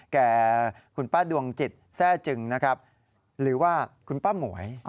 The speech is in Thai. แก่คุณป้าดวงจิตแซ่จึงหรือว่าคุณป้าหมวย